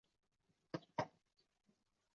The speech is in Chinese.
激龙的模式标本。